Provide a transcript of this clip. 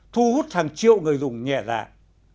thu hút hàng triệu người dùng nhẹ dạng